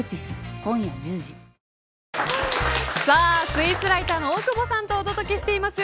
スイーツライターの大久保さんとお届けしています